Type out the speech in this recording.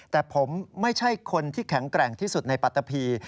แต่ผมไม่ใช่คนที่แข็งแกร่งที่สุดในปัตตะพี